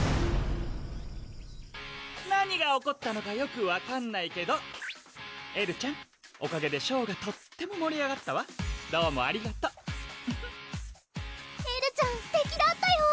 何が起こったのかよく分かんないけどエルちゃんおかげでショーがとってももり上がったわどうもありがとうフフッエルちゃんすてきだったよ！